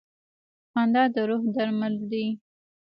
• خندا د روح درمل دی.